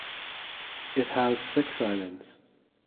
It has six islands.